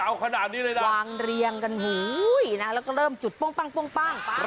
วางเรียงกันหูยนะแล้วก็เริ่มจุดปั้งปั้ง